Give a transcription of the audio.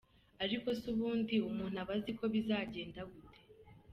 Ariko se ubundi umuntu aba azi ko bizagenga gute?